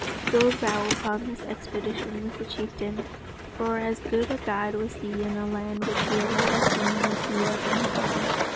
"Go thou upon this expedition with the chieftain." For as good a guide was he in a land which he had never seen as he was in his own.